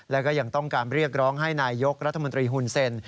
และก็ยังต้องการเรียกร้องให้นายยกรัฐมนตรีหุ่นเซ็น